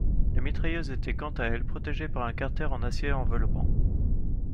La mitrailleuse était quant à elle protégée par un carter en acier enveloppant.